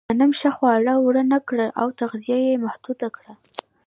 غنم ښه خواړه ورنهکړل او تغذیه یې محدوده کړه.